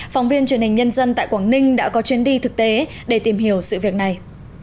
phóng viên truyền hình nhân dân tại quảng ninh đã có chuyến đi thực tế để tìm hiểu sự việc này